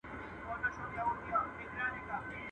ما د ابا ساتلی کور غوښتی.